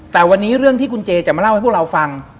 แต่วันนี้เรื่องที่คุณเจจะมาเล่าให้พวกเราฟัง